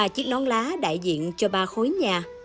ba chiếc non lá đại diện cho ba khối nhà